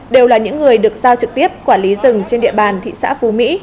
đều là những người được giao trực tiếp quản lý rừng trên địa bàn thị xã phú mỹ